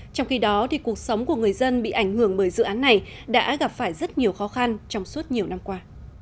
trong khi đó cuộc sống của người dân bị ảnh hưởng bởi dự án này đã gặp phải rất nhiều khó khăn trong suốt nhiều năm qua